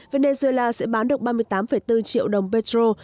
venezuela sẽ bán được ba mươi tám bốn triệu đồng petro